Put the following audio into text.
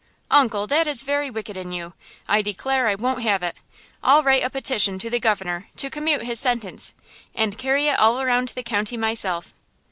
"Uncle, that is very wicked in you! I declare I won't have it! I'll write a petition to the Governor to commute his sentence, and carry it all around the county myself!"